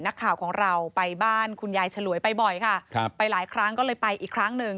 นักข่าวของเราไปบ้านคุณยายฉลวยไปบ่อยค่ะครับไปหลายครั้งก็เลยไปอีกครั้งหนึ่ง